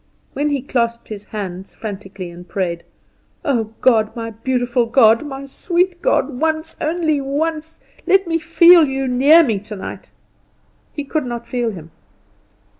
When he clasped his hands frantically and prayed "O God, my beautiful God, my sweet God, once, only once, let me feel you near me tonight!" he could not feel him.